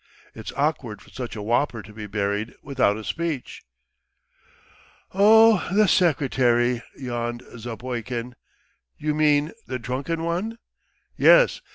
It's awkward for such a whopper to be buried without a speech." "Oh, the secretary!" yawned Zapoikin. "You mean the drunken one?" "Yes.